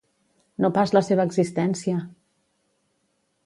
No pas la seva existència!